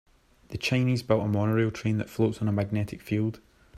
The Chinese built a monorail train that floats on a magnetic field.